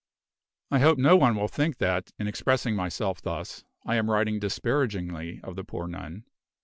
I hope no one will think that, in expressing myself thus, I am writing disparagingly of the poor nun.